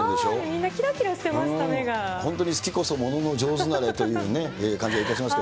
みんなきらきらしてました、本当に好きこそものの上手なれっていうね、感じがいたしました。